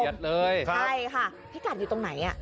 ใช่ค่ะพี่กัดอยู่ตรงไหน